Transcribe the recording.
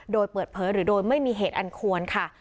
โดยเปิดเผยหรือโดยไม่มีเหตุอันควรค่ะ